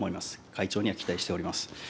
会長には期待しております。